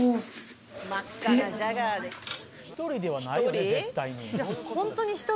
真っ赤なジャガーで１人？